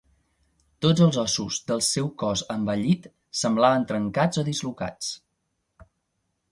Tots els ossos del seu cos envellit semblaven trencats o dislocats.